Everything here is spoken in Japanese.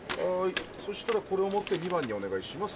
そしたらこれを持って２番にお願いします。